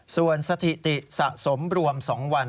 ส่วนสถิติสะสมรวม๒วัน